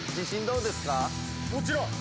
もちろん。